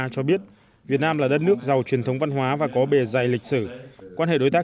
cho biết việt nam là đất nước giàu truyền thống văn hóa và có bề dày lịch sử quan hệ đối tác